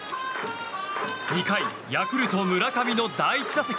２回、ヤクルト村上の第１打席。